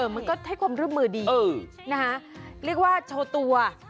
มันก็ให้ความร่วมมือดีนะคะเรียกว่าโชว์ตัว